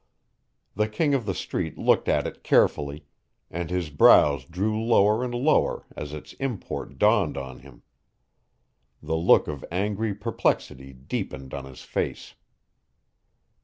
The King of the Street looked at it carefully, and his brows drew lower and lower as its import dawned on him. The look of angry perplexity deepened on his face.